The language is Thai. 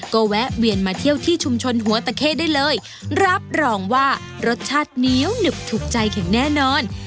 ก็แวะเวียนมาเที่ยวที่ชุมชนหัวตะเข้ได้เลยรับรองว่ารสชาติเหนียวหนึบถูกใจอย่างแน่นอน